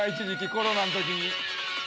コロナの時。